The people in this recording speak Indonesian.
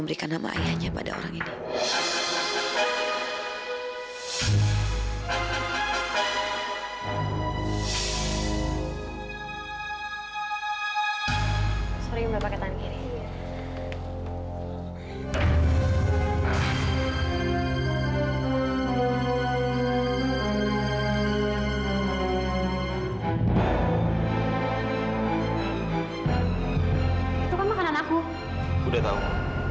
apakah apakah alatnya dibelakang dengan tersenyam